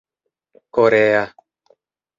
korea